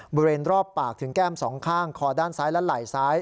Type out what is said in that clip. บริเวณรอบปากถึงแก้มสองข้างคอด้านซ้ายและไหล่ซ้าย